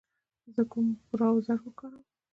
زه کوم براوزر و کاروم